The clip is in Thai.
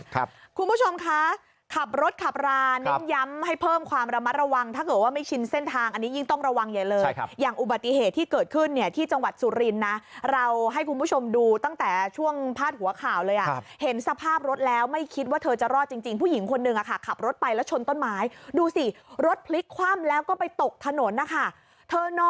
คุณผู้ชมคะขับรถขับราเน้นย้ำให้เพิ่มความระมัดระวังถ้าเกิดว่าไม่ชินเส้นทางอันนี้ยิ่งต้องระวังใหญ่เลยอย่างอุบัติเหตุที่เกิดขึ้นเนี่ยที่จังหวัดสุรินทร์นะเราให้คุณผู้ชมดูตั้งแต่ช่วงพาดหัวข่าวเลยอ่ะเห็นสภาพรถแล้วไม่คิดว่าเธอจะรอดจริงจริงผู้หญิงคนนึงอะค่ะขับรถไปแล้วชนต้นไม้ดูสิรถพลิกคว่ำแล้วก็ไปตกถนนนะคะเธอน